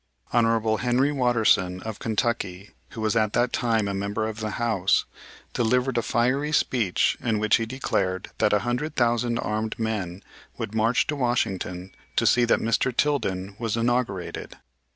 Hon. Henry Watterson, of Kentucky, who was at that time a member of the House, delivered a fiery speech in which he declared that a hundred thousand armed men would march to Washington to see that Mr. Tilden was inaugurated.